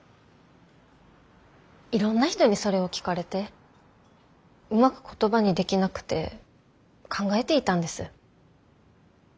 いろんな人にそれを聞かれてうまく言葉にできなくて考えていたんです。